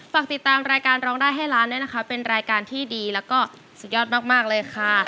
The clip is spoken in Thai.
ฝากติดตามรายการร้องได้ให้ล้านด้วยนะคะเป็นรายการที่ดีแล้วก็สุดยอดมากเลยค่ะ